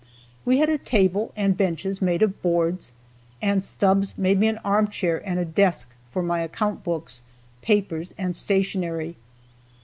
We had a table and benches made of boards, and Stubbs made me an armchair and a desk for my account books, papers and stationery.